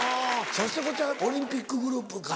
そしてこちらオリンピックグループか。